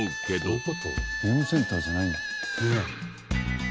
ゲームセンターじゃないの？